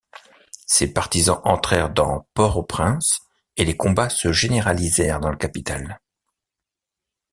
Ses partisans entrèrent dans Port-au-Prince et les combats se généralisèrent dans la capitale.